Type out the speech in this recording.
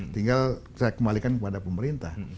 tinggal saya kembalikan kepada pemerintah